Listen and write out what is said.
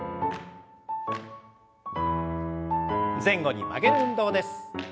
前後に曲げる運動です。